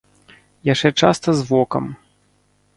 Яшчэ часта з вокам.